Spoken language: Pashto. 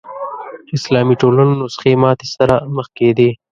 اسلامي ټولنو نسخې ماتې سره مخ کېدې